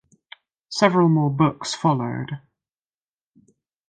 Several more books followed.